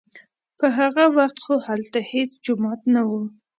په هغه وخت خو هلته هېڅ جومات نه و.